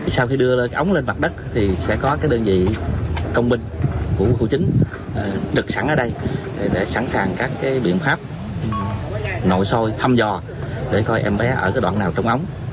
sau khi đưa ống lên mặt đất thì sẽ có đơn vị công binh của cụ chính trực sẵn ở đây để sẵn sàng các biện pháp nội sôi thăm dò để coi em bé ở đoạn nào trong ống